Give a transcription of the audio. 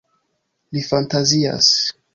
Li fantazias.